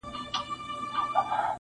• مځكه چاك سوه پكښي ورك د ده پوستين سو -